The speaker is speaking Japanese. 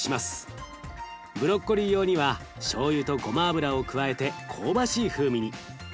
ブロッコリー用にはしょうゆとごま油を加えて香ばしい風味に。